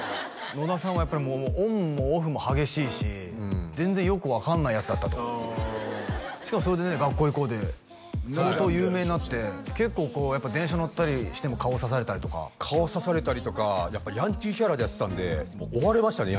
野田さんはやっぱりオンもオフも激しいし全然よく分かんないヤツだったとしかもそれでね「学校へ行こう！」で相当有名になって結構電車乗ったりしても顔さされたりとか顔さされたりとかやっぱヤンキーキャラでやってたんでもう追われましたね